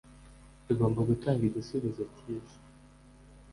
igomba gutanga igisubizo kiza